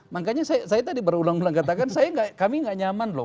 makanya saya tadi baru ulang ulang katakan kami tidak nyaman loh